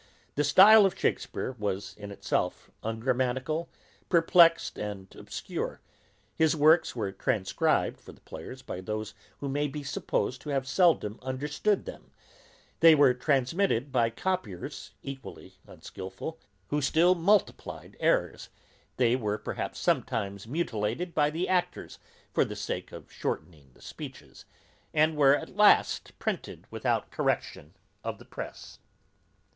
The stile of Shakespeare was in itself ungrammatical, perplexed and obscure; his works were transcribed for the players by those who may be supposed to have seldom understood them; they were transmitted by copiers equally unskilful, who still multiplied errours; they were perhaps sometimes mutilated by the actors, for the sake of shortening the speeches; and were at last printed without correction of the press.